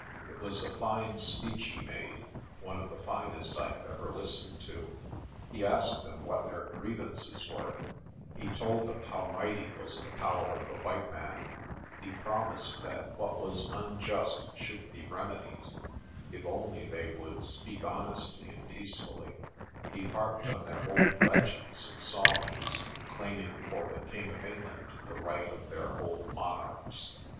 It was a fine speech he made, one of the finest I have ever listened to. He asked them what their grievances were; he told them 262 PRESTER JOHN how mighty was the power of the white man; he promised that what was unjust should be remedied, if only they would speak honestly and peacefully ; he harped on their old legends and songs, claiming for the king of England the right of their old monarchs.